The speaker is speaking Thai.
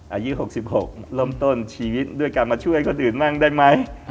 อายุ๖๖เริ่มต้นชีวิตด้วยการมาช่วยคนอื่นบ้างได้ไหม